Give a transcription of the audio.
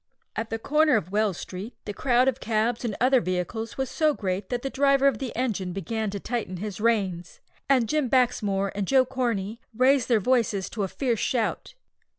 At the corner of Wells Street, the crowd of cabs and other vehicles was so great that the driver of the engine began to tighten his reins, and Jim Baxmore and Joe Corney raised their voices to a fierce shout.